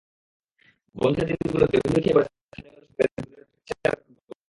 বন্ধের দিনগুলোতে হুমড়ি খেয়ে পরে স্থানীয় লোকগুলোর সঙ্গে দুরের প্রিফেকচারের লোকগুলোও।